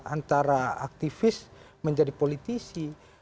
antara aktivis menjadi politisi